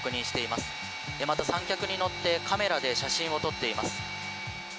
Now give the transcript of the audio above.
また、三脚に乗ってカメラで写真を撮っています。